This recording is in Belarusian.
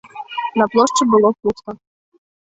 На плошчы было пуста.